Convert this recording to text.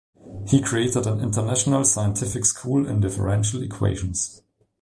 He created an international scientific school in differential equations.